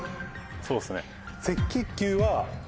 そうですね。